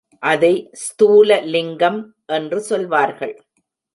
அதை ஸ்தூல லிங்கம் என்று சொல்வார்கள்.